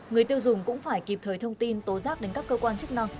người tiêu dùng cũng phải kịp thời thông tin tố giác đến các cơ quan chức năng